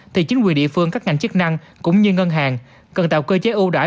thì chính quyền địa phương các ngành chức năng cũng như ngân hàng cần tạo cơ chế ưu đại